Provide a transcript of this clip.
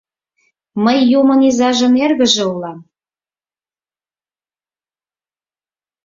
Мый юмын изажын эргыже улам!